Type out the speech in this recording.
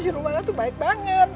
si romana tuh baik banget